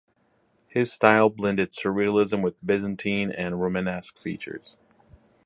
His style blended surrealism with Byzantine and Romanesque features.